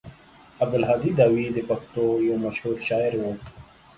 عبدالهادي داوي د پښتنو يو مشهور شاعر و.